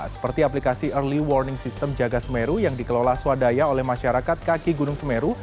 seperti aplikasi early warning system jaga semeru yang dikelola swadaya oleh masyarakat kaki gunung semeru